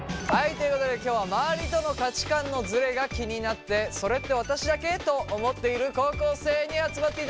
ということで今日は周りとの価値観のズレが気になって「それって私だけ？」と思っている高校生に集まっていただきました。